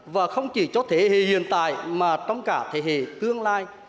và không chỉ cho thế hệ hiện tại mà trong cả thế hệ tương lai